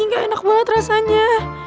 gak enak banget rasanya